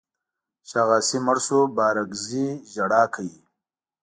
شاغاسي مړ شو بارکزي ژړا کوي.